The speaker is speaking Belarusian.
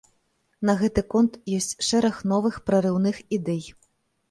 На гэты конт ёсць шэраг новых прарыўных ідэй.